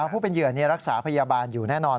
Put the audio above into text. ผู้เป็นเหยื่อรักษาพยาบาลอยู่แน่นอน